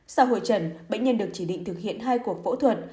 sau hồi trần bệnh nhân được chỉ định thực hiện hai cuộc phẫu thuật